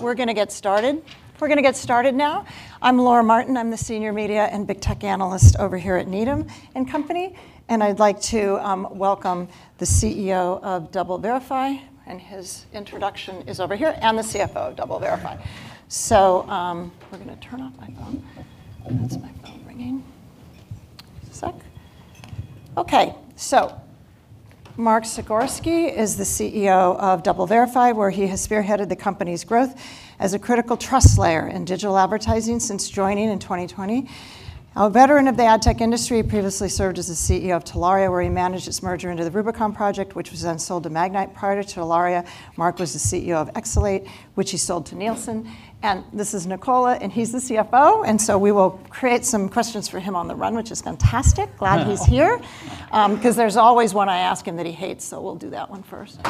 We're gonna get started now. I'm Laura Martin. I'm the senior media and big tech analyst over here at Needham & Company. I`'d like to welcome the CEO of DoubleVerify. His introduction is over here. The CFO of DoubleVerify. We're gonna turn off my phone. That's my phone ringing. One sec. Okay. Mark Zagorski is the CEO of DoubleVerify, where he has spearheaded the company's growth as a critical trust layer in digital advertising since joining in 2020. A veteran of the ad tech industry, previously served as the CEO of Telaria, where he managed its merger into the Rubicon Project, which was then sold to Magnite. Prior to Telaria, Mark was the CEO of eXelate, which he sold to Nielsen. This is Nicola, and he's the CFO, and so we will create some questions for him on the run, which is fantastic. Yeah. Glad he's here. 'Cause there's always one I ask him that he hates, so we'll do that one first.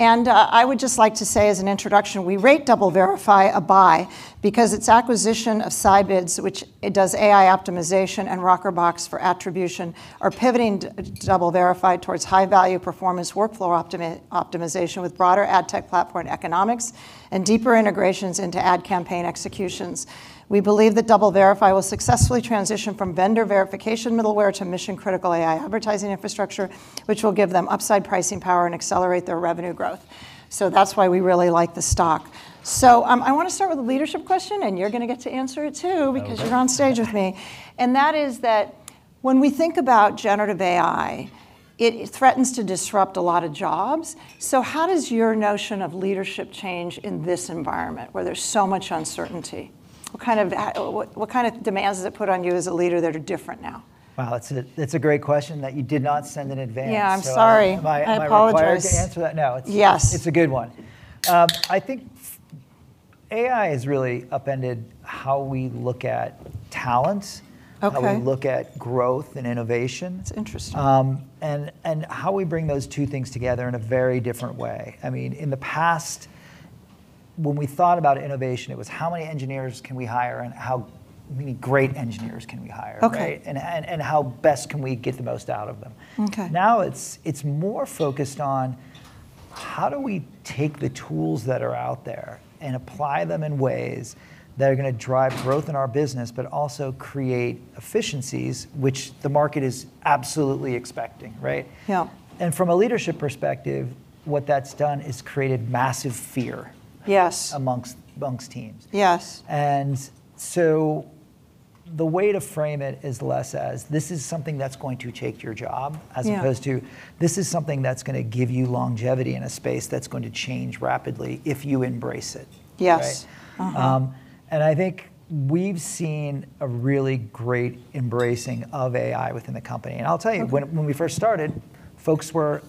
I would just like to say as an introduction, we rate DoubleVerify a buy because its acquisition of Scibids, which it does AI optimization, and Rockerbox for attribution, are pivoting DoubleVerify towards high-value performance workflow optimization with broader ad tech platform economics and deeper integrations into ad campaign executions. We believe that DoubleVerify will successfully transition from vendor verification middleware to mission-critical AI advertising infrastructure, which will give them upside pricing power and accelerate their revenue growth. That's why we really like the stock. I wanna start with a leadership question, and you're gonna get to answer it too. Oh, boy. because you're on stage with me. That is that when we think about generative AI, it threatens to disrupt a lot of jobs. So how does your notion of leadership change in this environment where there's so much uncertainty? What kind of demands does it put on you as a leader that are different now? Wow. That's a great question that you did not send in advance. Yeah, I'm sorry. Am I required? I apologize. -to answer that now? Yes. It's a good one. I think AI has really upended how we look at. Okay how we look at growth and innovation. That's interesting. How we bring those two things together in a very different way. I mean, in the past, when we thought about innovation, it was how many engineers can we hire and how many great engineers can we hire, right? Okay. How best can we get the most out of them? Okay. Now, it's more focused on how do we take the tools that are out there and apply them in ways that are gonna drive growth in our business, but also create efficiencies which the market is absolutely expecting, right? Yeah. From a leadership perspective, what that's done is created massive fear. Yes Amongst teams. Yes. The way to frame it is less as this is something that's going to take your job. Yeah As opposed to this is something that's gonna give you longevity in a space that's going to change rapidly if you embrace it, right? Yes. Uh-huh. I think we've seen a really great embracing of AI within the company. Okay When we first started, folks were,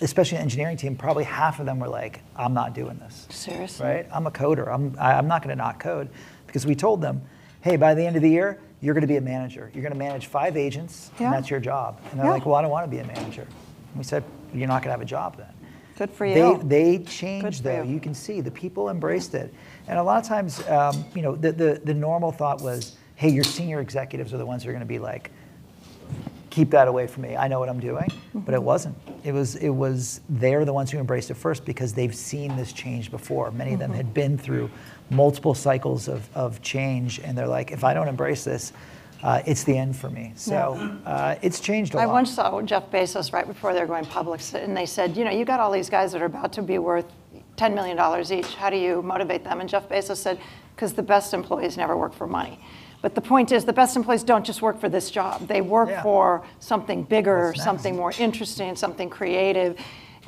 especially engineering team, probably half of them were like, "I'm not doing this. Seriously? Right? "I'm a coder. I'm not gonna not code." We told them, "Hey, by the end of the year, you're gonna be a manager. You're gonna manage five agents- Yeah That's your job. Yeah. They're like, "Well, I don't wanna be a Manager." We said, "You're not gonna have a job then. Good for you. They changed though. Good for you. You can see the people embraced it. A lot of times, you know, the normal thought was, hey, your senior executives are the ones who are gonna be like, "Keep that away from me. I know what I'm doing. It wasn't. It was they're the ones who embraced it first because they've seen this change before. Many of them had been through multiple cycles of change, and they're like, "If I don't embrace this, it's the end for me. Yeah. It's changed a lot. I once saw Jeff Bezos right before they were going public and they said, you know, "You got all these guys that are about to be worth $10 million each. How do you motivate them?" Jeff Bezos said, "'Cause the best employees never work for money." The point is, the best employees don't just work for this job. Yeah They work for something bigger, something more interesting, something creative.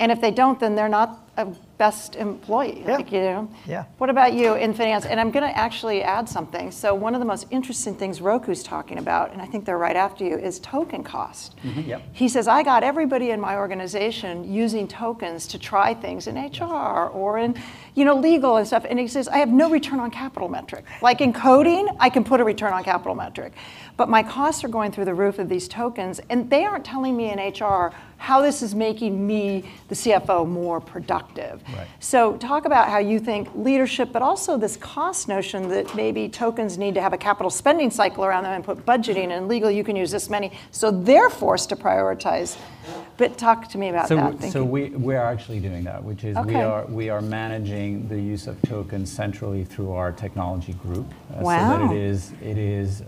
If they don't, then they're not a best employee. Yeah. Like, you know? Yeah. What about you in finance? I'm gonna actually add something. One of the most interesting things Roku's talking about, and I think they're right after you, is token cost. Mm-hmm. Yep. He says, "I got everybody in my organization using tokens to try things in HR or in, you know, legal and stuff." He says, "I have no return on capital metric. Like in coding, I can put a return on capital metric, but my costs are going through the roof of these tokens, and they aren't telling me in HR how this is making me, the CFO, more productive. Right. Talk about how you think leadership, but also this cost notion that maybe tokens need to have a capital spending cycle around them and put budgeting, and in legal you can use this many, so they're forced to prioritize. Talk to me about that, thank you. We are actually doing that. Okay We are managing the use of tokens centrally through our technology group. Wow. That it is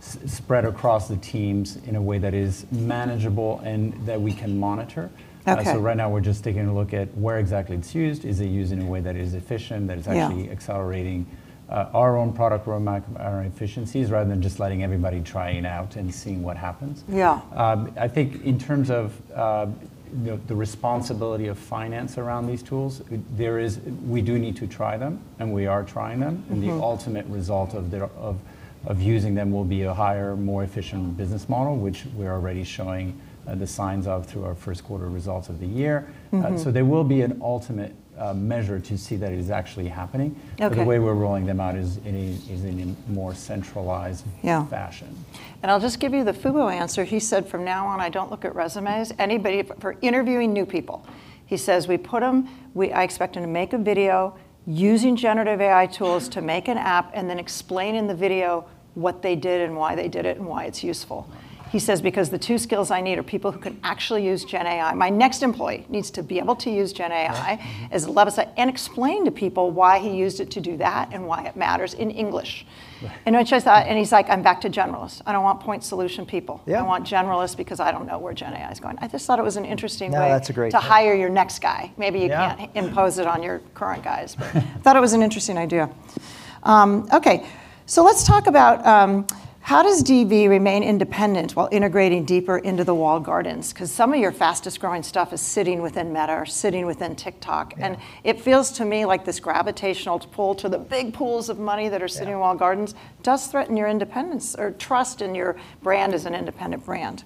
spread across the teams in a way that is manageable and that we can monitor. Okay. Right now we're just taking a look at where exactly it's used. Is it used in a way that is efficient? Yeah accelerating, our own product roadmap, our own efficiencies, rather than just letting everybody trying out and seeing what happens. Yeah. I think in terms of the responsibility of finance around these tools, we do need to try them. We are trying them. The ultimate result of their using them will be a higher, more efficient business model, which we're already showing the signs of through our first quarter results of the year. There will be an ultimate measure to see that it is actually happening. Okay. The way we're rolling them out is in a more centralized fashion. I'll just give you the Fubo answer. He said, "From now on, I don't look at resumes." For interviewing new people, he says, "We put them, I expect them to make a video using generative AI tools to make an app, and then explain in the video what they did and why they did it and why it's useful. Wow. He says, "Because the two skills I need are people who can actually use gen AI. My next employee needs to be able to use gen AI- Yeah. Mm-hmm As Levison, and explain to people why he used it to do that and why it matters in English. Right. I just thought And he's like, "I'm back to generalists. I don't want point solution people. Yeah. I want generalists because I don't know where gen AI is going." I just thought it was an interesting way. No, that's a great way. to hire your next guy. Yeah. Maybe you can't impose it on your current guys, thought it was an interesting idea. Okay, let's talk about how does DV remain independent while integrating deeper into the walled gardens? 'Cause some of your fastest-growing stuff is sitting within Meta or sitting within TikTok. Yeah. It feels to me like this gravitational pull to the big pools of money that are sitting in walled gardens does threaten your independence or trust in your brand as an independent brand.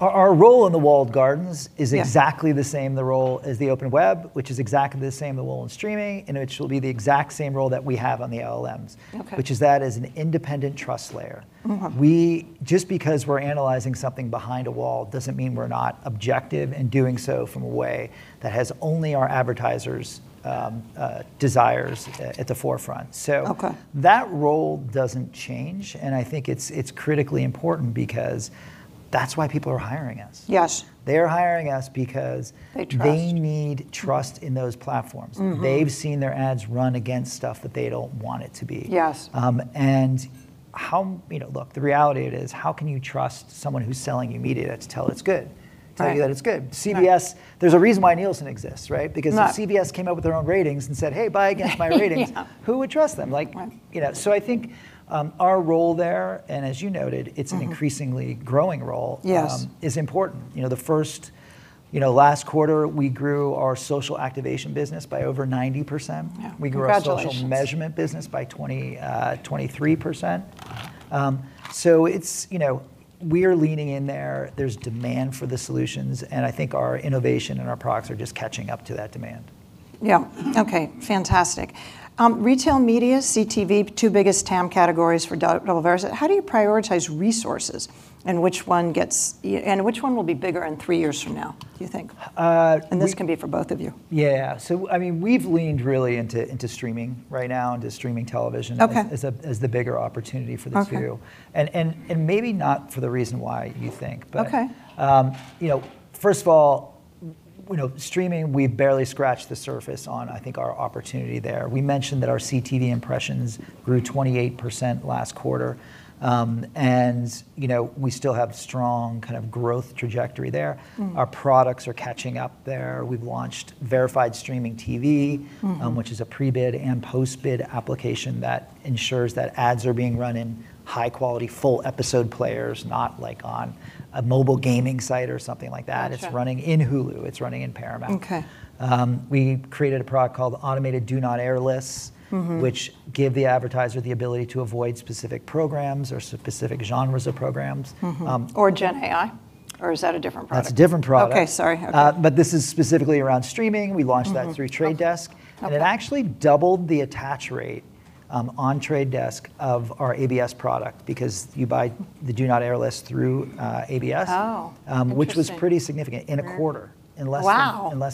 Our role in the walled gardens is exactly the same role as the open web, which is exactly the same role in streaming, and which will be the exact same role that we have on the LLMs. Okay. Which is that as an independent trust layer. We, just because we're analyzing something behind a wall doesn't mean we're not objective and doing so from a way that has only our advertisers' desires at the forefront. Okay that role doesn't change, and I think it's critically important because that's why people are hiring us. Yes. They're hiring us because. They trust. They need trust in those platforms. They've seen their ads run against stuff that they don't want it to be. Yes. How You know, look, the reality it is, how can you trust someone who's selling you media to tell it's good? Right. To tell you that it's good. Right. CBS, there's a reason why Nielsen exists, right? Right. If CBS came up with their own ratings and said, "Hey, buy against my ratings. Yeah Who would trust them? Right you know. I think, our role there, and as you noted it's an increasingly growing role. Yes It's important. You know, last quarter, we grew our social activation business by over 90%. Yeah. Congratulations. We grew our social measurement business by 23%. It's, you know, we are leaning in there. There's demand for the solutions, and I think our innovation and our products are just catching up to that demand. Yeah. Okay. Fantastic. Retail media, CTV, 2 biggest TAM categories for DoubleVerify. How do you prioritize resources and which one will be bigger in three years from now, do you think? Uh, we- This can be for both of you. Yeah. I mean, we've leaned really into streaming right now, into streaming television. Okay As the bigger opportunity for the two. Okay. Maybe not for the reason why you think. Okay You know, first of all, you know, streaming, we've barely scratched the surface on, I think, our opportunity there. We mentioned that our CTV impressions grew 28% last quarter. You know, we still have strong kind of growth trajectory there. Our products are catching up there. We've launched Verified Streaming TV. Which is a pre-bid and post-bid application that ensures that ads are being run in high-quality, full-episode players, not, like, on a mobile gaming site or something like that. Gotcha. It's running in Hulu. It's running in Paramount. Okay. We created a product called Automated Do Not Air Lists. Which give the advertiser the ability to avoid specific programs or specific genres of programs. Um- Gen AI, or is that a different product? That's a different product. Okay, sorry. Okay. This is specifically around streaming. We launched that through Trade Desk. Okay. It actually doubled the attach rate on Trade Desk of our ABS product because you buy the Do Not Air list through ABS. Oh, interesting. Which was pretty significant in a quarter. Wow In less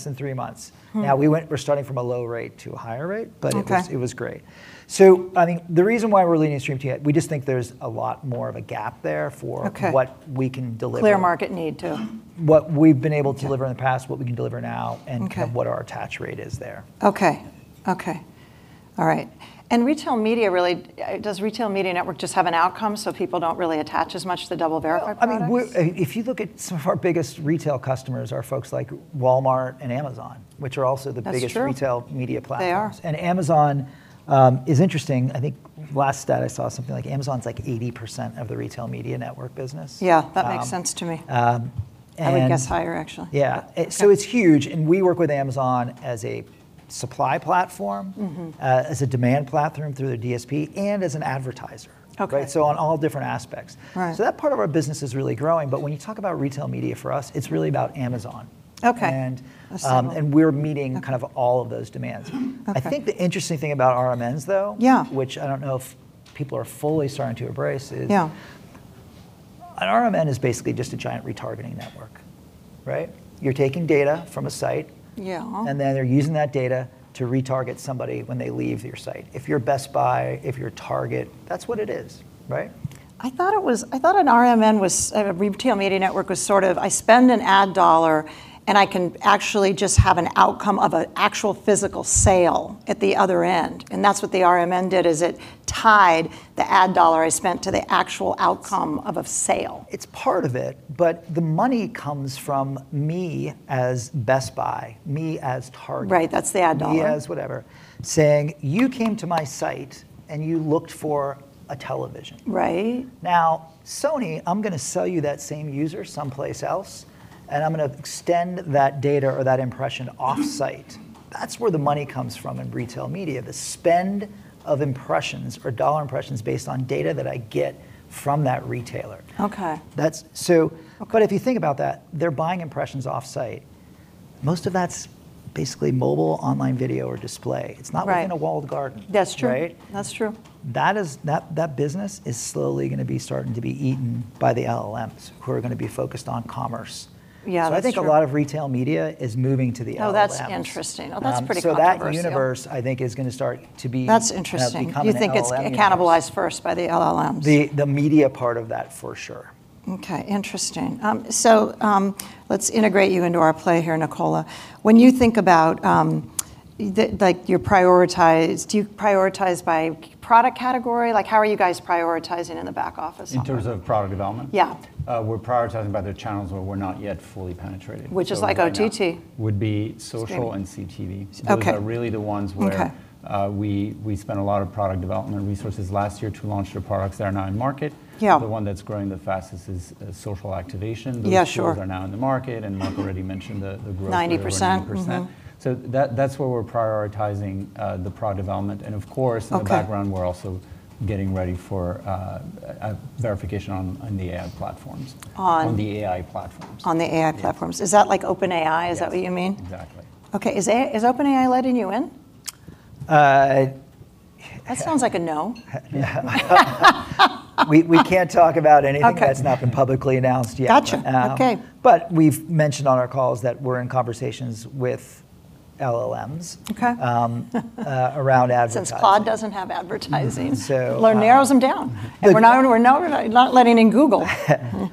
than three months. We're starting from a low rate to a higher rate. Okay It was great. I think the reason why we're leaning to streaming today, we just think there's a lot more of a gap there for. What we can deliver. Clear market need to. What we've been able to deliver in the past, what we can deliver now. Okay Kind of what our attach rate is there. Okay. Okay. All right. retail media really, does retail media network just have an outcome so people don't really attach as much to the DoubleVerify products? Well, I mean, if you look at some of our biggest retail customers are folks like Walmart and Amazon. That's true. Retail media platforms. They are. Amazon is interesting. I think last stat I saw, something like Amazon's, like, 80% of the retail media network business. Yeah. Um- That makes sense to me. I would guess higher, actually. Yeah. It's huge, and we work with Amazon as a supply platform. As a demand platform through their DSP, and as an advertiser. Okay. Right? on all different aspects. Right. That part of our business is really growing, but when you talk about retail media, for us, it's really about Amazon. Okay. And, um- Assembled and we're meeting- Okay kind of all of those demands. Okay. I think the interesting thing about RMNs, though. Yeah which I don't know if people are fully starting to embrace. Yeah An RMN is basically just a giant retargeting network, right? You're taking data from a site. Yeah Then they're using that data to retarget somebody when they leave your site. If you're Best Buy, if you're Target, that's what it is, right? I thought an RMN was, a retail media network was sort of I spend an ad dollar, and I can actually just have an outcome of an actual physical sale at the other end, and that's what the RMN did, is it tied the ad dollar I spent to the actual outcome of a sale. It's part of it, but the money comes from me as Best Buy, me as Target. Right, that's the ad dollar Me as whatever, saying, "You came to my site, and you looked for a television. Right. Sony, I'm gonna sell you that same user someplace else, and I'm gonna extend that data or that impression offsite. That's where the money comes from in retail media, the spend of impressions or dollar impressions based on data that I get from that retailer. Okay. That's, so- Okay If you think about that, they're buying impressions offsite. Most of that's basically mobile online video or display. Right. It's not like in a walled garden. That's true. Right? That's true. That business is slowly gonna be starting to be eaten by the LLMs, who are gonna be focused on commerce. Yeah, that's true. I think a lot of retail media is moving to the LLMs. Oh, that's interesting. Oh, that's pretty controversial. That universe, I think, is gonna start to be. That's interesting. becoming LLM universe. Do you think it's cannibalized first by the LLMs? The media part of that, for sure. Okay. Interesting. Let's integrate you into our play here, Nicola. When you think about, like, Do you prioritize by product category? Like, how are you guys prioritizing in the back office software? In terms of product development? Yeah. We're prioritizing by the channels where we're not yet fully penetrated. Which is, like, OTT. would be social- Stream CTV. Okay. Those are really the ones where- Okay We spent a lot of product development resources last year to launch the products that are now in market. Yeah. The one that's growing the fastest is social activation. Yeah, sure. Those tools are now in the market, and Mark already mentioned the growth. 90% over 90%. That's where we're prioritizing, the product development. Of course. Okay In the background, we're also getting ready for verification on the AI platforms. On? On the AI platforms. On the AI platforms. Yeah. Is that, like, OpenAI? Yes. Is that what you mean? Exactly. Okay. Is OpenAI letting you in? Uh- That sounds like a no. Yeah. We can't talk about anything. Okay that's not been publicly announced yet. Gotcha. Um- Okay We've mentioned on our calls that we're in conversations with LLMs. Okay around advertising. Since Claude doesn't have advertising. Mm-hmm. That narrows 'em down. We're not letting in Google.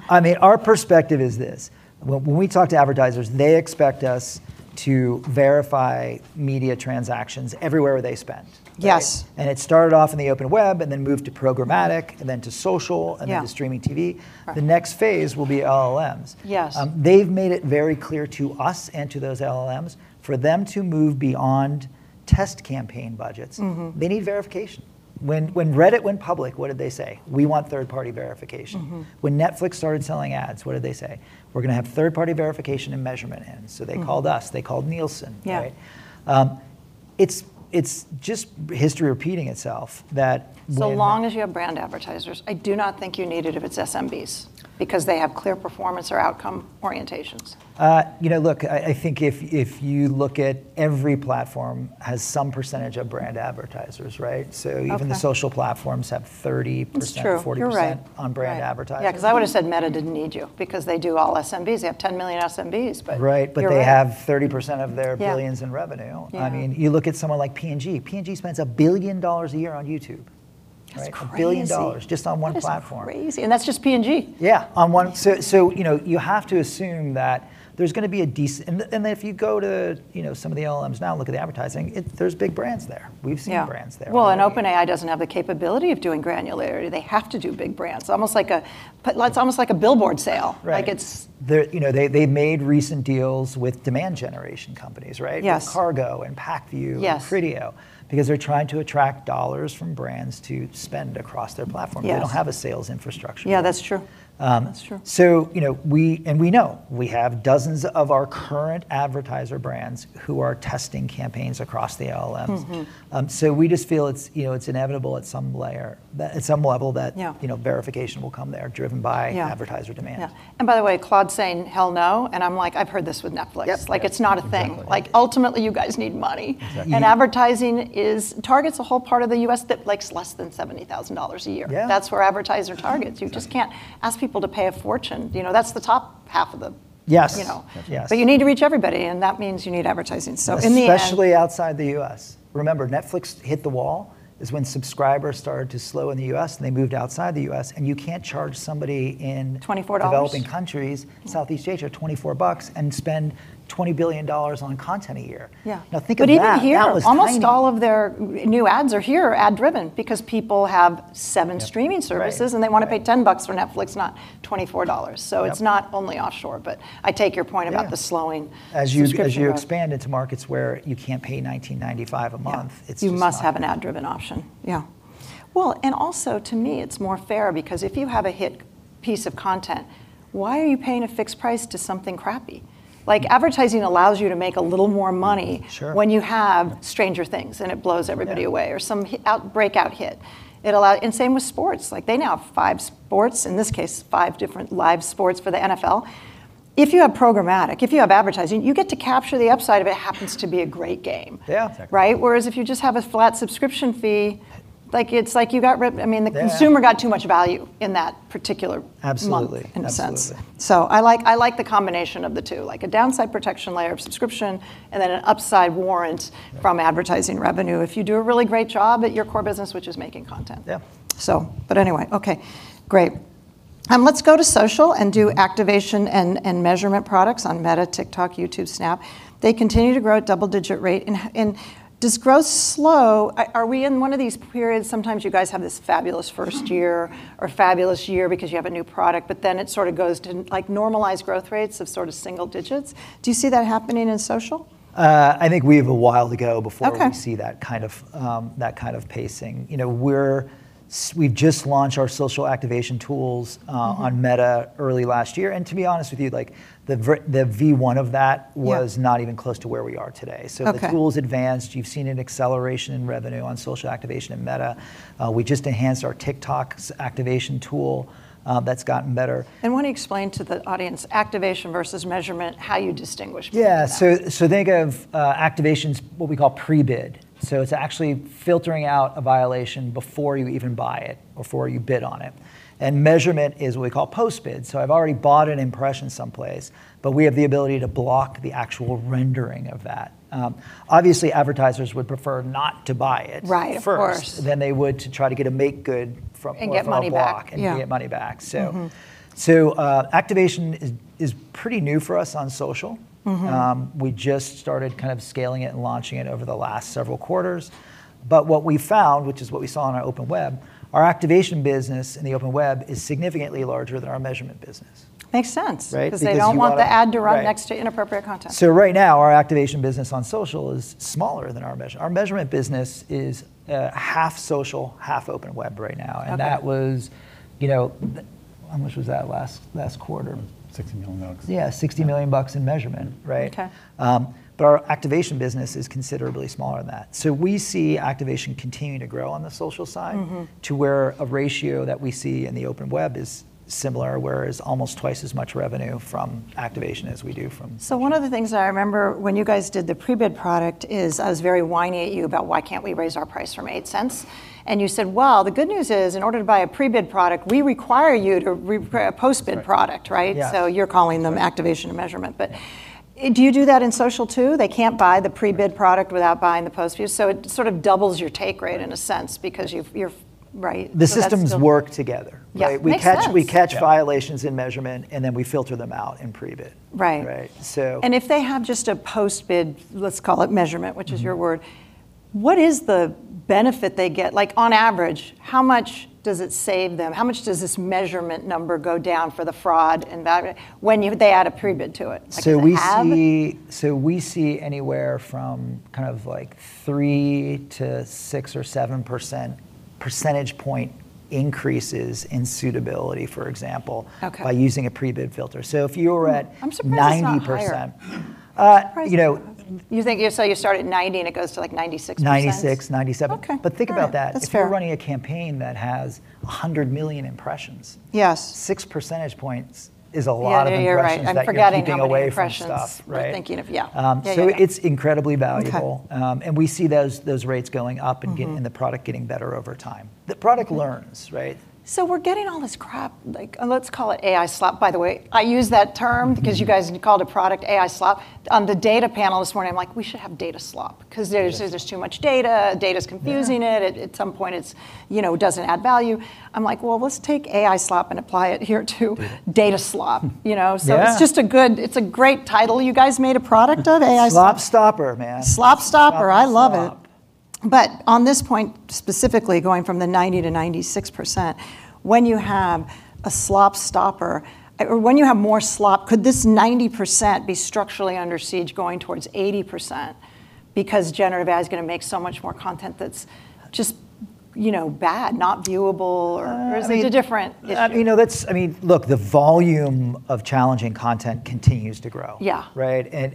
I mean, our perspective is this. When we talk to advertisers, they expect us to verify media transactions everywhere where they spend. Yes. Right? It started off in the open web, and then moved to programmatic, and then to social- Yeah To streaming TV. Right. The next phase will be LLMs. Yes. They've made it very clear to us and to those LLMs, for them to move beyond test campaign budgets. they need verification. When Reddit went public, what did they say? "We want third-party verification. When Netflix started selling ads, what did they say? "We're going to have third-party verification and measurement in. They called us. They called Nielsen, right? Yeah. it's just history repeating itself that brand- Long as you have brand advertisers. I do not think you need it if it's SMBs. Okay Because they have clear performance or outcome orientations. You know, look, I think if you look at every platform has some percentage of brand advertisers, right? Okay. Even the social platforms have 30%. That's true. 40% You're right. On brand advertisers. Yeah, 'cause I would've said Meta didn't need you, because they do all SMBs. They have 10 million SMBs. Right you're right. They have 30% of their billions in revenue. Yeah. I mean, you look at someone like P&G. P&G spends $1 billion a year on YouTube, right? That's crazy. $1 billion just on one platform. That's crazy. That's just P&G. Yeah. On one, you know, you have to assume that there's going to be. If you go to, you know, some of the LLMs now and look at the advertising, it there's big brands there. Yeah. We've seen brands there already. Well, OpenAI doesn't have the capability of doing granularity. They have to do big brands. Almost like a well, it's almost like a billboard sale. Right. Like They're, you know, they made recent deals with demand generation companies, right? Yes. With Kargo and Pacvue Yes Criteo because they're trying to attract dollars from brands to spend across their platform. Yes. They don't have a sales infrastructure. Yeah, that's true. Um- That's true. You know, we know, we have dozens of our current advertiser brands who are testing campaigns across the LLMs. We just feel it's, you know, it's inevitable at some layer, at some level that. Yeah You know, verification will come there. Yeah Driven by advertiser demand. Yeah. By the way, Claude's saying, "Hell no," and I'm like, "I've heard this with Netflix. Yep. Yeah. Like, it's not a thing. Exactly. Like, ultimately, you guys need money. Exactly. Advertising is targets a whole part of the U.S. that makes less than $70,000 a year. Yeah. That's where advertiser targets. That's right. You just can't ask people to pay a fortune. Yes you know. That's Yes. You need to reach everybody, and that means you need advertising. Especially outside the U.S. Remember, Netflix hit the wall, is when subscribers started to slow in the U.S., and they moved outside the U.S. $24 Developing countries, Southeast Asia, $24 and spend $20 billion on content a year. Yeah. Think of that. But even here- That was tiny. almost all of their new ads are ad-driven, because people have seven streaming services. Yep. Right. Right. They wanna pay $10 for Netflix, not $24. Yep. It's not only offshore, but I take your point about the slowing. Yeah. Subscription revenue. As you expand into markets where you can't pay $19.95 a month. Yeah it's just not- You must have an ad-driven option. Yeah. Well, also, to me, it's more fair, because if you have a hit piece of content, why are you paying a fixed price to something crappy? Like, advertising allows you to make a little more money. Sure When you have Stranger Things and it blows everybody away. Yeah. Some breakout hit. It allow same with sports. Like, they now have five sports, in this case five different live sports for the NFL. If you have programmatic, if you have advertising, you get to capture the upside if it happens to be a great game. Yeah. Exactly. Right? Whereas if you just have a flat subscription fee, like, it's like I mean. Yeah got too much value in that particular. Absolutely month, in a sense. Absolutely. I like the combination of the two, like a downside protection layer of subscription, and then an upside warrant from advertising revenue if you do a really great job at your core business, which is making content. Yeah. But anyway. Great. Let's go to social and do activation and measurement products on Meta, TikTok, YouTube, Snap. They continue to grow at double-digit rate. Does growth slow? Are we in one of these periods, sometimes you guys have this fabulous 1st year or fabulous year because you have a new product, but then it sort of goes to, like, normalized growth rates of sort of single digits? Do you see that happening in social? I think we have a while to go before. Okay we see that kind of, that kind of pacing. You know, we've just launched our social activation tools. on Meta early last year. To be honest with you, like, the V1 of that was. Yeah not even close to where we are today. Okay. The tool's advanced. You've seen an acceleration in revenue on social activation in Meta. We just enhanced our TikTok activation tool. That's gotten better. Wanna explain to the audience activation versus measurement, how you distinguish between that? Think of activation's what we call pre-bid. It's actually filtering out a violation before you even buy it, before you bid on it. Measurement is what we call post-bid. I've already bought an impression someplace, but we have the ability to block the actual rendering of that. Obviously advertisers would prefer not to buy it. Right. Of course. first, than they would to try to get a make good from. Get money back. small block. Yeah. Get money back. Activation is pretty new for us on social. We just started kind of scaling it and launching it over the last several quarters. What we found, which is what we saw on our open web, our activation business in the open web is significantly larger than our measurement business. Makes sense. Right? Because you They don't want the ad to run next to inappropriate content. Right now, our activation business on social is smaller than our measurement business is, half social, half open web right now. Okay. That was, you know, how much was that last quarter? $60 million. Yeah, $60 million in measurement, right? Okay. Our activation business is considerably smaller than that. We see activation continuing to grow on the social side, to where a ratio that we see in the open web is similar, where it's almost twice as much revenue from activation as we do from. One of the things I remember when you guys did the pre-bid product is I was very whiny at you about why can't we raise our price from $0.08? You said, "Well, the good news is in order to buy a pre-bid product, we require you to re- pre- a post-bid product," right? Right. Yeah. You're calling them activation and measurement. Do you do that in social too? They can't buy the pre-bid product without buying the post-bid, so it sort of doubles your take rate in a sense because you're Right. The systems work together, right? Yeah. Makes sense. We catch violations in measurement, and then we filter them out in pre-bid. Right. Right. If they have just a post-bid, let's call it measurement, which is your word, what is the benefit they get? Like, on average, how much does it save them? How much does this measurement number go down for the fraud and value when they add a pre-bid to it? Like does it halve? We see anywhere from kind of like 3% to 6% or 7%, percentage point increases in suitability, for example. Okay By using a pre-bid filter. Ooh. I'm surprised it's not higher. 90%. You think, you start at 90, and it goes to, like, 96%? 96%, 97%. Okay. All right. Think about that. That's fair. If you're running a campaign that has 100 million impressions. Yes 6 percentage points is a lot of impressions. Yeah, yeah, you're right. I'm forgetting how many impressions. that you're keeping away from stuff, right? Thinking of Yeah. Yeah, yeah. It's incredibly valuable. Okay. We see those rates going up. The product getting better over time. The product learns, right? We're getting all this crap, and let's call it AI slop, by the way. I use that term because you guys called a product AI slop. On the data panel this morning, I'm like, "We should have data slop," because there's too much data. Data's confusing it. Yeah. At some point you know, doesn't add value. I'm like, "Well, let's take AI slop and apply it here to data slop," you know? Yeah. It's a great title you guys made a product of, AI slop. AI SlopStopper, man. AI SlopStopper. I love it. On this point, specifically, going from the 90%-96%, when you have a SlopStopper, or when you have more slop, could this 90% be structurally under siege going towards 80% because generative AI is going to make so much more content that's just, you know, bad, not viewable. Uh- Is it a different issue? You know, that's I mean, look, the volume of challenging content continues to grow. Yeah. Right?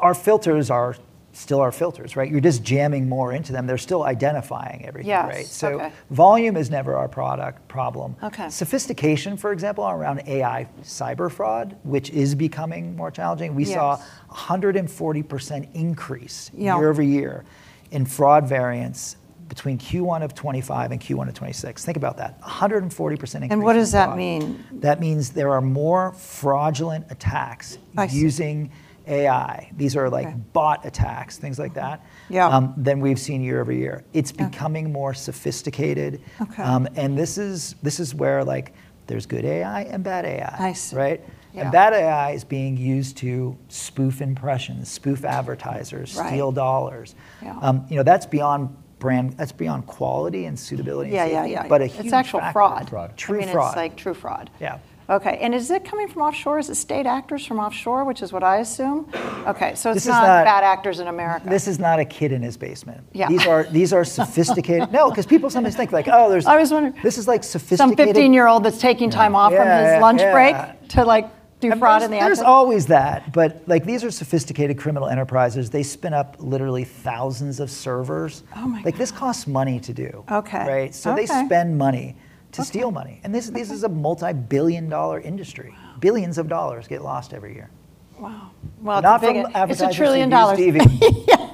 Our filters are still our filters, right? You're just jamming more into them. They're still identifying everything, right? Yes. Okay. Volume is never our product problem. Okay. Sophistication, for example, around AI cyber fraud, which is becoming more challenging. Yes. We saw 140% increase year-over-year in fraud variance between Q1 2025 and Q1 2026. Think about that, 140% increase in fraud. What does that mean? That means there are more fraudulent attacks using AI. These are like bot attacks, things like that, than we've seen year-over-year. Okay. It's becoming more sophisticated. Okay. This is where, like, there's good AI and bad AI. I see. Right? Yeah. Bad AI is being used to spoof impressions, spoof advertisers. Right steal dollars. Yeah. You know, that's beyond brand. That's beyond quality and suitability and safety. Yeah, yeah. A huge factor. It's actual fraud. True fraud. I mean, it's like true fraud. Yeah. Okay, is it coming from offshore? Is it state actors from offshore, which is what I assume? Okay, it's not- This is not- bad actors in America. This is not a kid in his basement. Yeah. These are sophisticated. No, 'cause people sometimes think like. I was wondering. This is, like, sophisticated. Some 15-year-old that's taking time off lunch break to, like, do fraud in the afternoon. There's always that, but, like, these are sophisticated criminal enterprises. They spin up literally thousands of servers. Oh my gosh. Like, this costs money to do. Okay. Right? Okay. They spend money to steal money. Okay. This is a multi-billion dollar industry. Wow. Billions of dollars get lost every year. Wow. Well. Not from advertisers who use DoubleVerify. It's a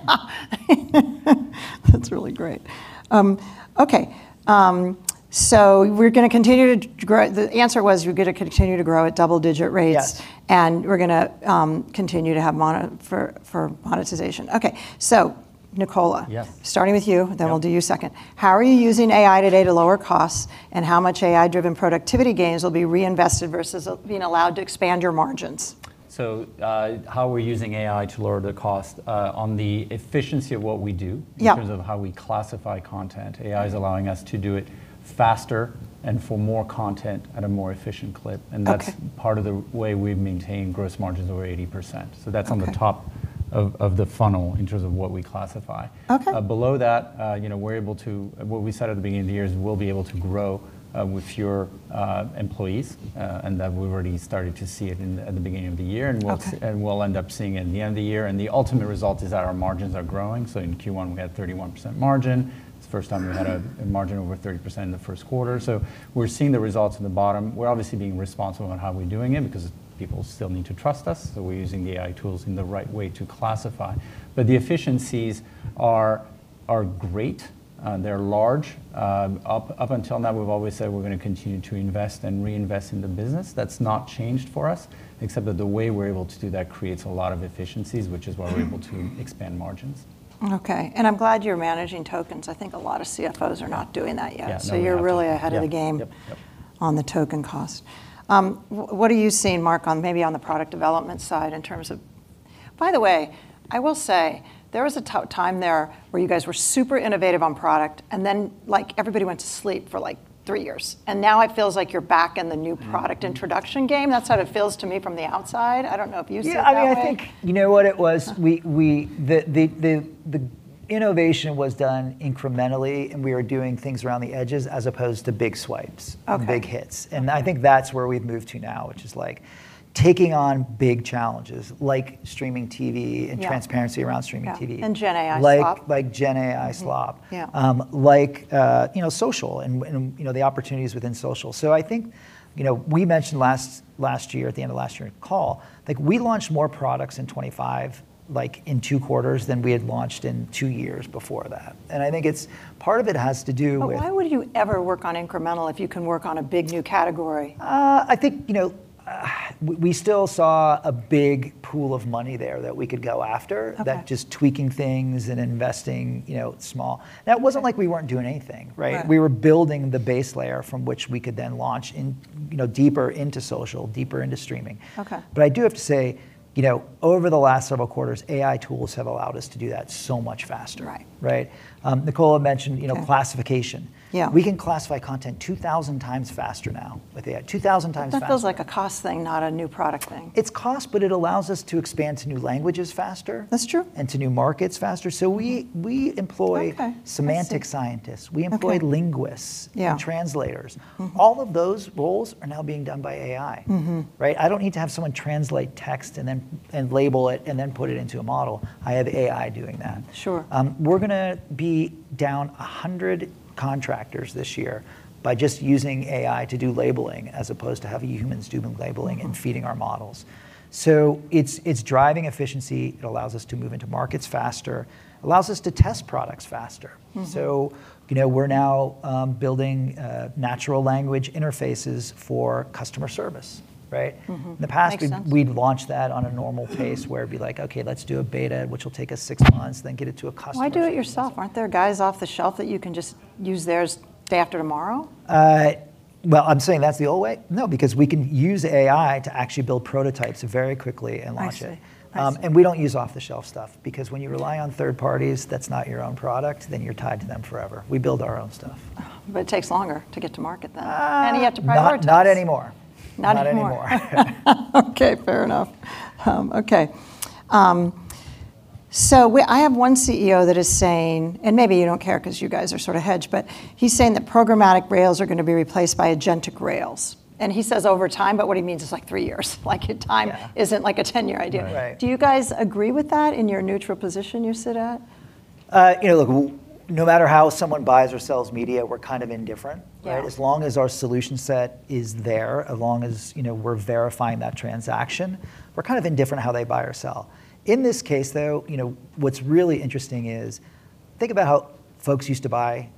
$1 trillion. Yeah. That's really great. Okay. We're gonna continue to grow. The answer was we're gonna continue to grow at double-digit rates. Yes. We're gonna continue to have for monetization. Okay. Nicola. Yes, starting with you. Yeah. We'll do you second. How are you using AI today to lower costs, and how much AI-driven productivity gains will be reinvested versus being allowed to expand your margins? how we're using AI to lower the cost on the efficiency of what we do. Yeah in terms of how we classify content. AI is allowing us to do it faster and for more content at a more efficient clip. Okay. That's part of the way we've maintained gross margins over 80%. Okay. That's on the top of the funnel in terms of what we classify. Okay. Below that, you know, what we said at the beginning of the year is we'll be able to grow, with fewer employees, and that we've already started to see it in, at the beginning of the year. Okay. We'll end up seeing it at the end of the year, and the ultimate result is that our margins are growing. In Q1, we had 31% margin. It's the first time. Wow We've had a margin over 30% in the first quarter. We're seeing the results in the bottom. We're obviously being responsible in how we're doing it because people still need to trust us, so we're using the AI tools in the right way to classify. The efficiencies are great. They're large. Up until now, we've always said we're gonna continue to invest and reinvest in the business. That's not changed for us except that the way we're able to do that creates a lot of efficiencies, which is why we're able to expand margins. Okay. I'm glad you're managing tokens. I think a lot of CFOs are not doing that yet. Yeah, no, we have to. Yeah. Yep. Yep. You're really ahead of the game on the token cost. What are you seeing, Mark, on maybe on the product development side in terms of By the way, I will say there was a time there where you guys were super innovative on product, and then, like, everybody went to sleep for, like, three years. Now it feels like you're back in the new product introduction game. That's how it feels to me from the outside. I don't know if you see it that way. Yeah, I mean, I think, you know what? It was the innovation was done incrementally, and we are doing things around the edges as opposed to big swipes. Okay And big hits. I think that's where we've moved to now, which is, like, taking on big challenges, like streaming TV. Yeah Transparency around streaming TV. Yeah. Gen AI Slop. Like Gen AI Slop. Yeah. Like, you know, social and and, you know, the opportunities within social. I think, you know, we mentioned last year at the end of last year at call, like, we launched more products in 2025, like, in two quarters than we had launched in two years before that, and I think it's part of it has to do with. Why would you ever work on incremental if you can work on a big new category? I think, you know, we still saw a big pool of money there that we could go after. Okay that just tweaking things and investing, you know, small. Okay. It wasn't like we weren't doing anything, right? Right. We were building the base layer from which we could then launch in, you know, deeper into social, deeper into streaming. Okay. I do have to say, you know, over the last several quarters, AI tools have allowed us to do that so much faster. Right. Right? Nicola mentioned. Yeah classification. Yeah. We can classify content 2,000x faster now with AI, 2,000x faster. That feels like a cost thing, not a new product thing. It's cost, but it allows us to expand to new languages faster. That's true. And to new markets faster. We employ- Okay. I see. Semantic scientists. Okay. We employ linguists. Yeah Translators. All of those roles are now being done by AI. Right? I don't need to have someone translate text and then label it and then put it into a model. I have AI doing that. Sure. We're gonna be down 100 contractors this year by just using AI to do labeling as opposed to having humans doing labeling and feeding our models. It's driving efficiency. It allows us to move into markets faster. Allows us to test products faster. You know, we're now building natural language interfaces for customer service, right? Mm-hmm. Makes sense. In the past, we'd launch that on a normal pace where it'd be like, "Okay, let's do a beta, which will take us six months, then get it to a customer. Why do it yourself? Aren't there guys off the shelf that you can just use theirs day after tomorrow? Well, I'm saying that's the old way. Because we can use AI to actually build prototypes very quickly and launch it. I see. I see. We don't use off-the-shelf stuff because when you rely on third parties that's not your own product, then you're tied to them forever. We build our own stuff. It takes longer to get to market then. Uh- You have to prioritize. Not anymore. Not anymore. Not anymore. Okay, fair enough. Okay. I have one CEO that is saying, and maybe you don't care 'cause you guys are sorta hedged, but he's saying that programmatic rails are gonna be replaced by agentic rails, and he says over time, but what he means is, like, three years. Yeah Is it, like, a 10-year idea? Right. Do you guys agree with that in your neutral position you sit at? You know, look, no matter how someone buys or sells media, we're kind of indifferent, right? Yeah. As long as our solution set is there, as long as, you know, we're verifying that transaction, we're kind of indifferent how they buy or sell. In this case, though, you know, what's really interesting is think about how folks used to buy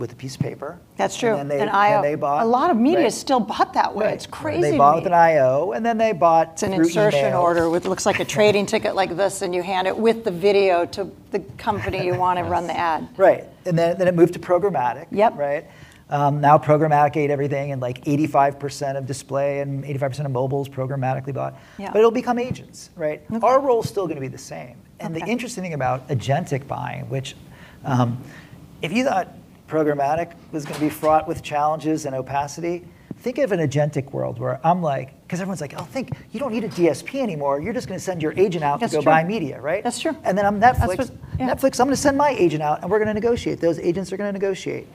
with a piece of paper. That's true, an IO. Then they bought, right? A lot of media still bought that way. Right. It's crazy to me. They bought with an IO, and then they bought through email. It's an insertion order Looks like a trading ticket like this. You hand it with the video to the company. Yes you wanna run the ad. Right. Then it moved to programmatic. Yep. Right? Now programmatic ate everything, like, 85% of display and 85% of mobile is programmatically bought. Yeah. It'll become agents, right? Okay. Our role's still gonna be the same. Okay. The interesting thing about agentic buying, which, if you thought programmatic was gonna be fraught with challenges and opacity, think of an agentic world where I'm like 'Cause everyone's like, "Oh, think. You don't need a DSP anymore. You're just gonna send your agent out to go buy media," right? That's true. That's true. I'm Netflix. That's what Yeah. Netflix, I'm gonna send my agent out, and we're gonna negotiate. Those agents are gonna negotiate.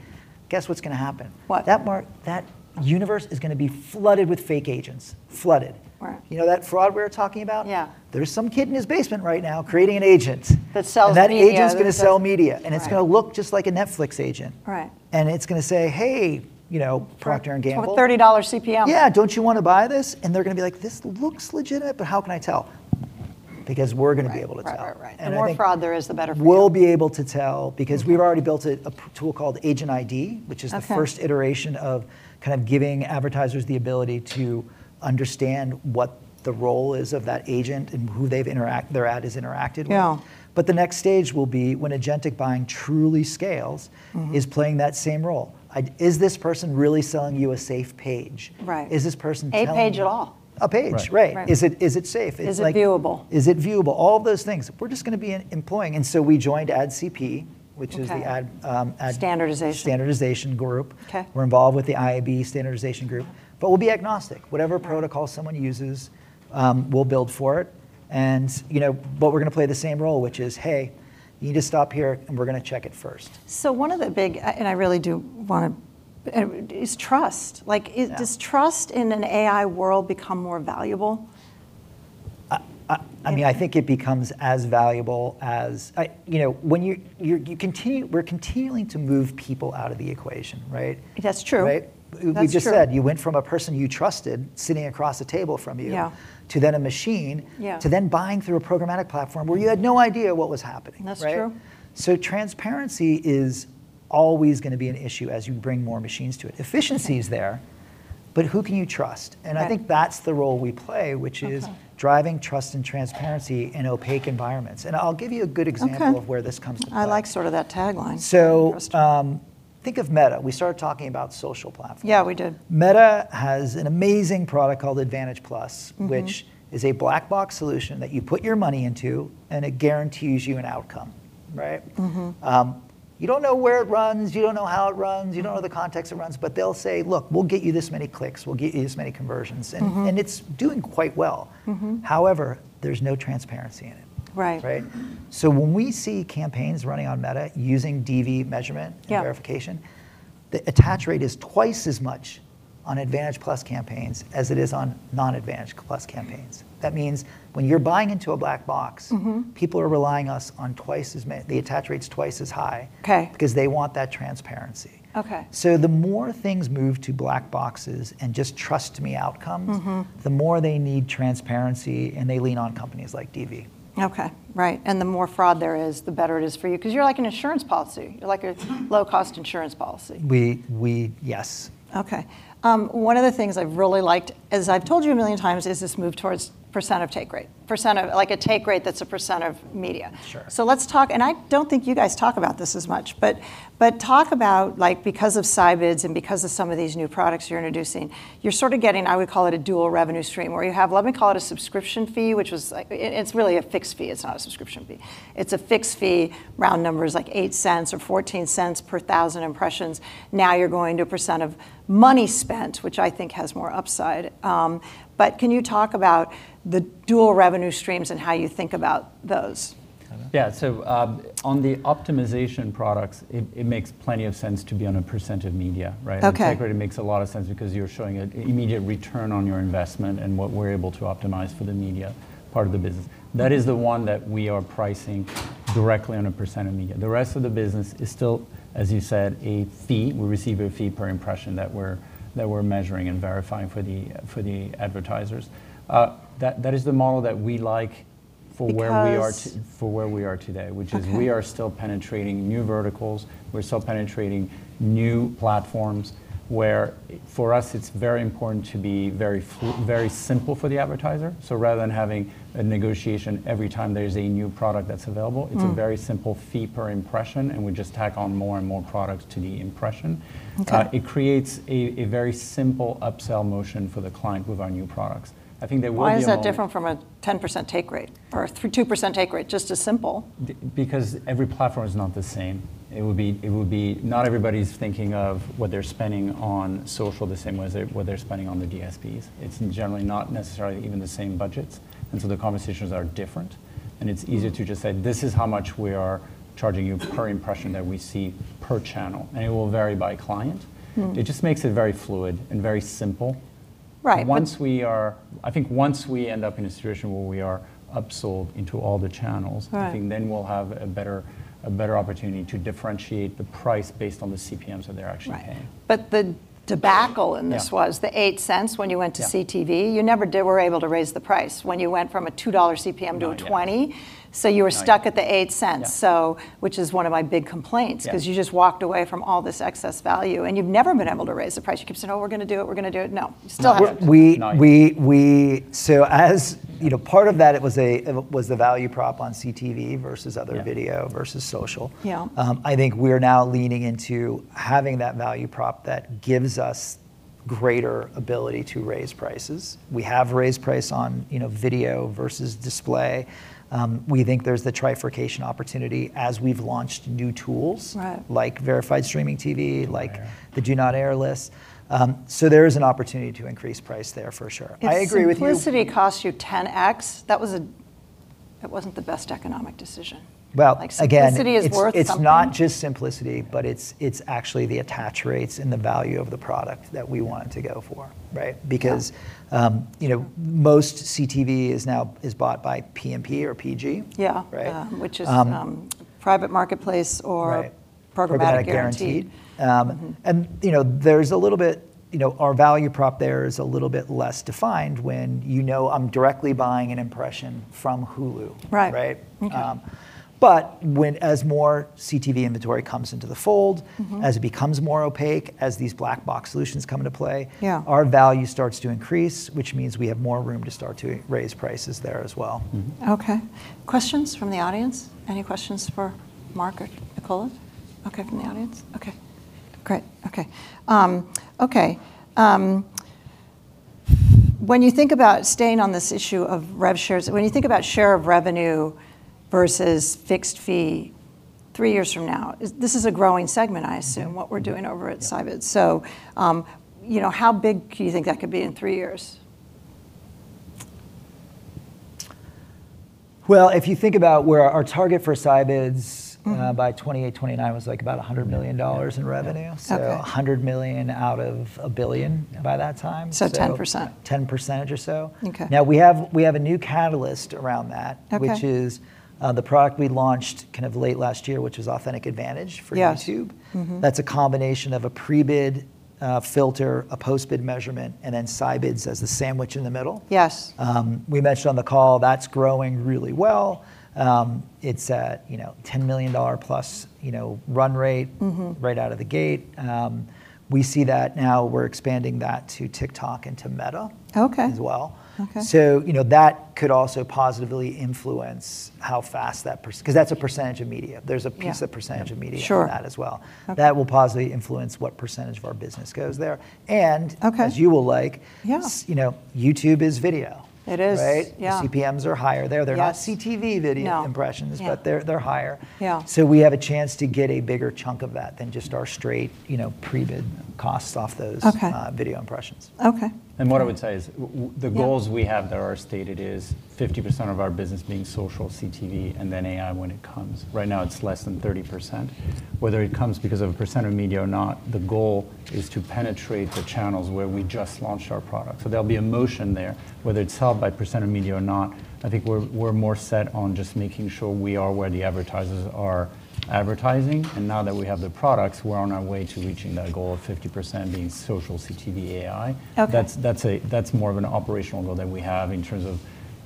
Guess what's gonna happen? What? That universe is gonna be flooded with fake agents. Flooded. Right. You know that fraud we were talking about? Yeah. There's some kid in his basement right now creating an agent- That sells media. that agent's gonna sell media. Right. It's gonna look just like a Netflix agent. Right. it's gonna say, "Hey," you know, "Procter & Gamble- With $30 CPM. Yeah, don't you wanna buy this?" They're gonna be like, "This looks legitimate, but how can I tell?" We're gonna be able to tell. Right, right, right. And I think- The more fraud there is, the better for you. We'll be able to tell because we've already built a tool called Agent ID. Okay Which is the first iteration of kind of giving advertisers the ability to understand what the role is of that agent and who they've their ad has interacted with. Yeah. The next stage will be when agentic buying truly scales. is playing that same role. Is this person really selling you a safe page? Right. Is this person telling- A page at all. A page, right. Right. Right. Is it safe? Is it viewable? Is it viewable? All of those things. We're just going to be employing, we joined AdCP, which is the ad. Standardization Standardization group. Okay. We're involved with the IAB Standardization group. We'll be agnostic. Right. Whatever protocol someone uses, we'll build for it, and, you know, but we're gonna play the same role, which is, "Hey, you need to stop here, and we're gonna check it first. One of the big, and I really do wanna is trust. Yeah Does trust in an AI world become more valuable? I mean, I think it becomes as valuable as, you know, when we're continuing to move people out of the equation, right? That's true. Right? That's true. We just said you went from a person you trusted sitting across the table from you- Yeah To then a machine-. Yeah To then buying through a programmatic platform where you had no idea what was happening. That's true. Right? Transparency is always gonna be an issue as you bring more machines to it. Okay. Efficiency is there, but who can you trust? Right. I think that's the role we play, which is. Okay driving trust and transparency in opaque environments. I'll give you a good example. Okay of where this comes into play. I like sort of that tagline. Very interesting. Think of Meta. We started talking about social platforms. Yeah, we did. Meta has an amazing product called Advantage+. Which is a black box solution that you put your money into, and it guarantees you an outcome, right? You don't know where it runs. You don't know how it runs. You don't know the context it runs. They'll say, "Look, we'll get you this many clicks. We'll get you this many conversions. It's doing quite well. However, there's no transparency in it. Right. Right? When we see campaigns running on Meta using DoubleVerify measurement. Yeah Verification, the attach rate is twice as much on Advantage+ campaigns as it is on non-Advantage+ campaigns. That means when you're buying into a black box. People are relying us on the attach rate's twice as high. Okay because they want that transparency. Okay. The more things move to black boxes and just trust me outcomes. The more they need transparency. They lean on companies like DoubleVerify. Okay. Right. The more fraud there is, the better it is for you 'cause you're like an insurance policy. You're like a low-cost insurance policy. We Yes. Okay. One of the things I've really liked, as I've told you a million times, is this move towards % of take rate, % of like a take rate that's a % of media. Sure. Let's talk and I don't think you guys talk about this as much, but talk about, like because of Scibids and because of some of these new products you're introducing, you're sort of getting, I would call it, a dual revenue stream where you have, let me call it, a subscription fee, which was like it's really a fixed fee. It's not a subscription fee. It's a fixed fee, round number is like $0.08 or $0.14 per 1,000 impressions. Now you're going to a % of money spent, which I think has more upside. But can you talk about the dual revenue streams and how you think about those? Nicola? Yeah. On the optimization products, it makes plenty of sense to be on a percent of media, right? Okay. The take rate, it makes a lot of sense because you're showing a immediate return on your investment and what we're able to optimize for the media part of the business. That is the one that we are pricing directly on a percent of media. The rest of the business is still, as you said, a fee. We receive a fee per impression that we're measuring and verifying for the advertisers. That is the model that we like for where we are. Because- For where we are today, which is- Okay We are still penetrating new verticals. We're still penetrating new platforms where for us it's very important to be very simple for the advertiser. It's a very simple fee per impression, and we just tack on more and more products to the impression. Okay. It creates a very simple upsell motion for the client with our new products. I think there will be a. Why is that different from a 10% take rate or a 2% take rate, just as simple? Because every platform is not the same. Not everybody's thinking of what they're spending on social the same way as they're, what they're spending on the DSPs. It's generally not necessarily even the same budgets. The conversations are different. It's easier to just say, "This is how much we are charging you per impression that we see per channel," and it will vary by client. It just makes it very fluid and very simple. Right. I think once we end up in a situation where we are upsold into all the channels. Right I think we'll have a better opportunity to differentiate the price based on the CPMs that they're actually paying. Right. Yeah was the $0.08 when you went to CTV. Yeah. You never were able to raise the price when you went from a $2 CPM to a $20. No, yeah. You were stuck at $0.08. No. Yeah. which is one of my big complaints. Yeah 'cause you just walked away from all this excess value, and you've never been able to raise the price. You keep saying, "Oh, we're gonna do it. We're gonna do it." No. You still haven't. Not yet. We as You know, part of that, it was the value prop on CTV versus other video. Yeah versus social. Yeah. I think we're now leaning into having that value prop that gives us greater ability to raise prices. We have raised price on video versus display. We think there's the trifurcation opportunity as we've launched new tools. Right Like Verified Streaming TV. Yeah The do not air list. There is an opportunity to increase price there for sure. I agree with you. If simplicity costs you 10X, that wasn't the best economic decision. Well. Like simplicity is worth something. It's not just simplicity, but it's actually the attach rates and the value of the product that we wanted to go for, right? Yeah. You know, most CTV is now bought by PMP or PG. Yeah. Right? Yeah. Um- private marketplace. Right programmatic guaranteed programmatic guaranteed. You know, there's a little bit you know, our value prop there is a little bit less defined when you know I'm directly buying an impression from Hulu. Right. Right? Okay. As more CTV inventory comes into the fold. As it becomes more opaque, as these black box solutions come into play. Yeah Our value starts to increase, which means we have more room to start to raise prices there as well. Okay. Questions from the audience? Any questions for Mark or Nicola? Okay from the audience? Okay. Great. Okay. When you think about staying on this issue of rev shares, when you think about share of revenue versus fixed fee three years from now, is this a growing segment, I assume? What we're doing over. Yeah Scibids AI. You know, how big do you think that could be in three years? Well, if you think about where our target for Scibids AI. By 2028, 2029 was, like, about $100 million in revenue. Okay. $100 million out of $1 billion by that time. 10%. 10% or so. Okay. We have a new catalyst around that. Okay which is, the product we launched kind of late last year, which was Authentic AdVantage for YouTube. Yes. Mm-hmm. That's a combination of a pre-bid filter, a post-bid measurement, and then Scibids AI as the sandwich in the middle. Yes. We mentioned on the call that's growing really well. It's at, you know, $10 million plus, you know, run rate right out of the gate. We see that now we're expanding that to TikTok and to Meta. Okay as well. Okay. you know, that could also positively influence how fast that pers. Yeah 'cause that's a percentage of media. Yeah There is a percentage of media- Sure in that as well. Okay. That will positively influence what percentage of our business goes there. Okay as you will like- Yeah You know, YouTube is video. It is. Right? Yeah. The CPMs are higher there. Yes. They're not CTV video. No Impressions- Yeah They're higher. Yeah. We have a chance to get a bigger chunk of that than just our straight, you know, pre-bid costs off those. Okay Video impressions. Okay. What I would say is the goals. Yeah We have there are stated is 50% of our business being social CTV and then AI when it comes. Right now, it's less than 30%. Whether it comes because of a % of media or not, the goal is to penetrate the channels where we just launched our product. There'll be a motion there, whether it's helped by percent of media or not, I think we're more set on just making sure we are where the advertisers are advertising. Now that we have the products, we're on our way to reaching that goal of 50% being social CTV AI. Okay. That's a more of an operational goal that we have in terms of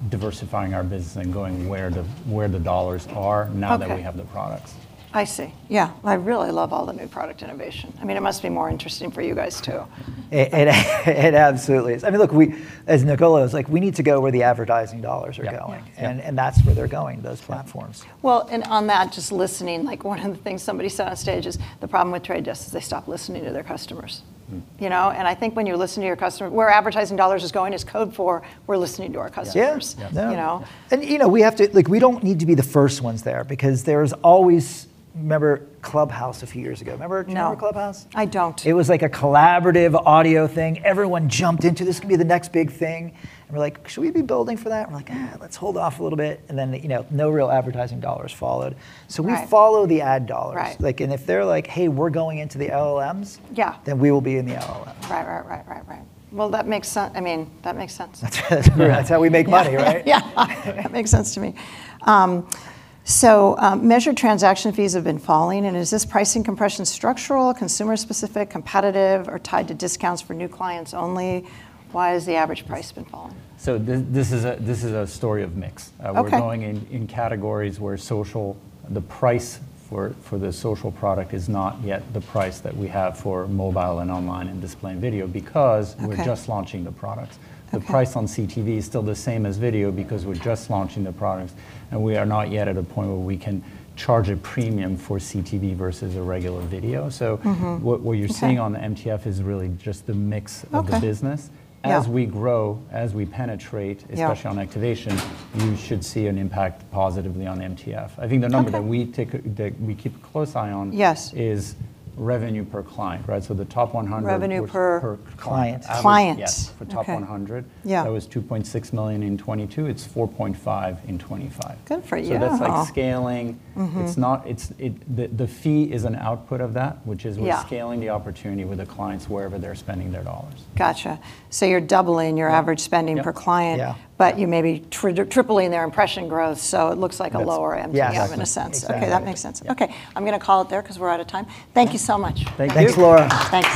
diversifying our business and going where the dollars are. Okay Now that we have the products. I see. Yeah. I really love all the new product innovation. I mean, it must be more interesting for you guys, too. It absolutely is. I mean, look, we As Nicola was like, "We need to go where the advertising dollars are going. That's where they're going, those platforms. Well, on that, just listening, like one of the things somebody said on stage is, "The problem with Trade Desk is they stop listening to their customers. You know? I think when you listen to your customer, where advertising dollars is going is code for we're listening to our customers. Yeah. Yes. Yeah. You know? you know, we don't need to be the first ones there because there's always Remember Clubhouse a few years ago? No. Remember, do you remember Clubhouse? I don't. It was like a collaborative audio thing. Everyone jumped into, "This could be the next big thing." We're like, "Should we be building for that?" We're like, "Eh, let's hold off a little bit." You know, no real advertising dollars followed. Right. We follow the ad dollars. Right. Like, if they're like, "Hey, we're going into the LLMs. Yeah We will be in the LLMs. Right. Well, I mean, that makes sense. That's great. That's how we make money, right? Yeah. That makes sense to me. Measured transaction fees have been falling. Is this pricing compression structural, consumer specific, competitive, or tied to discounts for new clients only? Why has the average price been falling? This is a story of mix. Okay. We're going in categories where social, the price for the social product is not yet the price that we have for mobile and online and display and video. Okay We're just launching the products. Okay. The price on CTV is still the same as video because we're just launching the products, and we are not yet at a point where we can charge a premium for CTV versus a regular video. What you're seeing on the MTF is really just the mix of the business. Okay. Yeah. As we grow, Yeah Especially on activation, you should see an impact positively on MTF. Okay I think the number that we keep a close eye on. Yes is revenue per client, right? the top 100 Revenue per- Per client Clients. Yes. Okay. For top 100. Yeah. That was $2.6 million in 2022. It's $4.5 in 2025. Good for you. That's like scaling. It's not the fee is an output of that. Yeah We're scaling the opportunity with the clients wherever they're spending their dollars. Gotcha. you're doubling your average-? Yeah spending per client. Yeah. You may be tripling their impression growth, so it looks like a lower MTF. That's, yes. in a sense. Exactly. Okay. That makes sense. Okay. I'm gonna call it there 'cause we're out of time. Thank you so much. Thank you. Thanks, Laura. Thanks.